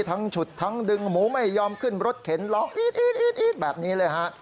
ฉุดทั้งดึงหมูไม่ยอมขึ้นรถเข็นร้องอี๊ดแบบนี้เลยฮะ